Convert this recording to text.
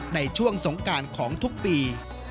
ในช่วงสงการของทุกปี